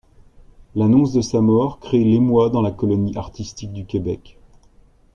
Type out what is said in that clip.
L’annonce de sa mort crée l’émoi dans la colonie artistique du Québec.